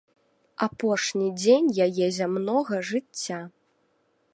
Апошні дзень яе зямнога жыцця.